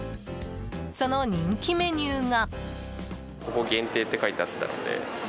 その人気メニューが。